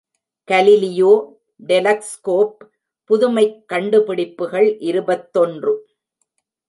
Galileo telescope புதுமைக் கண்டுபிடிப்புகள் இருபத்தொன்று.